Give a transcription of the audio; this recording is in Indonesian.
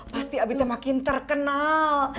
pasti abi tuh makin terkenal